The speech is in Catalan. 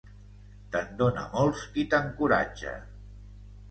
Te'n dóna molts qui t'encoratja.